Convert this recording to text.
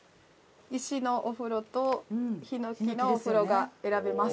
石のお風呂とヒノキのお風呂が選べます。